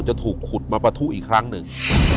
จะถูกขุดมาปะทุอีกครั้งหนึ่ง